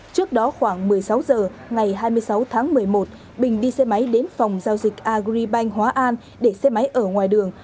trước đó khoảng một mươi sáu h ngày hai mươi sáu tháng một mươi một bình đi xe máy đến phòng giao dịch agribank hóa an để xe máy ở ngoài đường